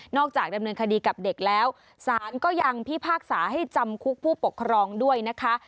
จากดำเนินคดีกับเด็กแล้วสารก็ยังพิพากษาให้จำคุกผู้ปกครองด้วยนะคะ